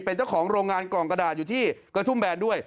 เป็นเจ้าของโรงงานกล่องกระดาษอยู่ที่กระทุ่มแบนด้วย